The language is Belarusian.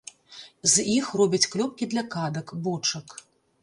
З іх робяць клёпкі для кадак, бочак.